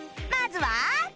まずは